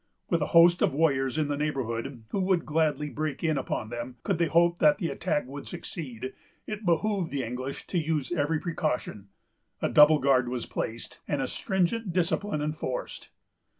With a host of warriors in the neighborhood, who would gladly break in upon them, could they hope that the attack would succeed, it behooved the English to use every precaution. A double guard was placed, and a stringent discipline enforced.